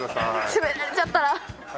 絞められちゃったら。